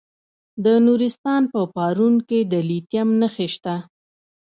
د نورستان په پارون کې د لیتیم نښې شته.